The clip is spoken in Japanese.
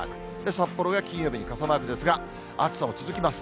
札幌が金曜日に傘マークですが、暑さも続きます。